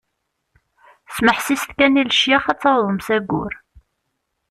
Smeḥsiset kan i lecyax ad tawḍem s ayyur!